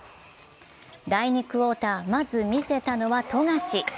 第２クオーター、まず見せたのは富樫。